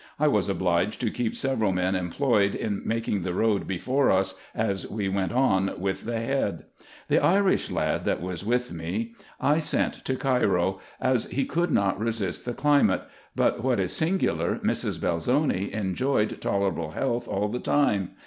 I was obliged to keep several men employed in making the road before us, as we went on with the head. The Irish lad that was with me I sent to 46 RESEARCHES AND OPERATIONS Cairo, as he could not resist the climate; but what is singular, Mrs. Belzoni enjoyed tolerable health all the time.